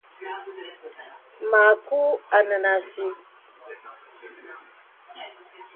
Mǎku ā nə̀ nə̀ àsìl.